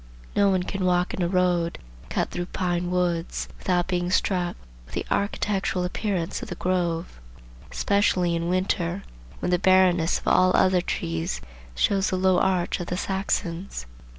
No one can walk in a road cut through pine woods, without being struck with the architectural appearance of the grove, especially in winter, when the barrenness of all other trees shows the low arch of the Saxons.